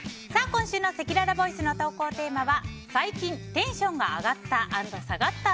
今週のせきららボイスの投稿テーマは最近テンションが上がった＆